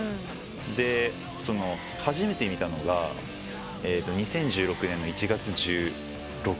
で初めて見たのが２０１６年の１月１６日かな。